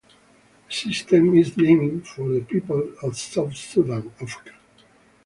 The system is named for the peoples of South Sudan, Africa.